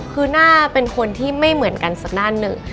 คือหน้าเป็นคนที่ไม่เหมือนกันสักด้านหนึ่ง